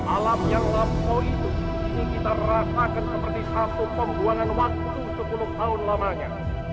alam yang lampau itu ini kita rasakan seperti satu pembuangan waktu sepuluh tahun lamanya